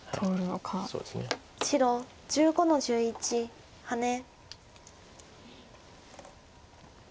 白１５の十一ハネ。